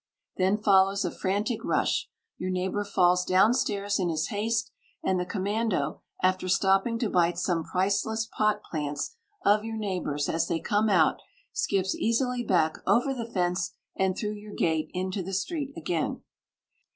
Then follows a frantic rush. Your neighbour falls downstairs in his haste, and the commando, after stopping to bite some priceless pot plants of your neighbour's as they come out, skips easily back over the fence and through your gate into the street again.